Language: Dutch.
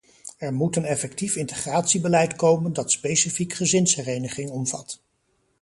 Er moet een effectief integratiebeleid komen dat specifiek gezinshereniging omvat.